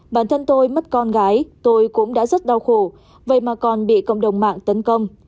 bản thân tôi mất con gái tôi cũng đã rất đau khổ vậy mà còn bị cộng đồng mạng tấn công